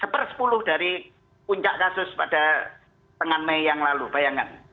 per sepuluh dari puncak kasus pada tengah mei yang lalu bayangan